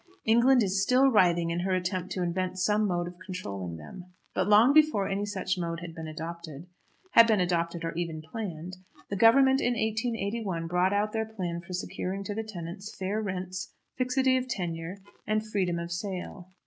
England is still writhing in her attempt to invent some mode of controlling them. But long before any such mode had been adopted, had been adopted or even planned, the Government in 1881 brought out their plan for securing to the tenants fair rents, fixity of tenure, and freedom of sale.